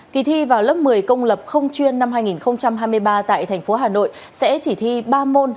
kỳ thi vào lớp một mươi công lập không chuyên năm hai nghìn hai mươi ba tại thành phố hà nội sẽ chỉ thi ba môn